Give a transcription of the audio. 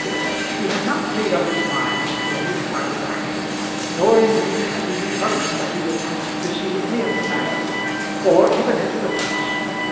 He had not made up his mind to any plan of action, nor indeed had he determined that he would ask to see any of the family or even enter the place.